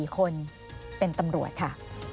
๔คนเป็นตำรวจค่ะ